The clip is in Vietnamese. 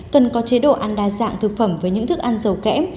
cần có chế độ ăn đa dạng thực phẩm với những thức ăn dầu kém